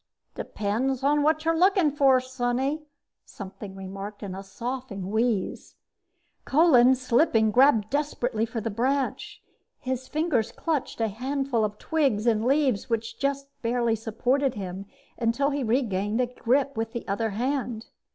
"Depends on what you're looking for, Sonny!" something remarked in a soughing wheeze. Kolin, slipping, grabbed desperately for the branch. His fingers clutched a handful of twigs and leaves, which just barely supported him until he regained a grip with the other hand.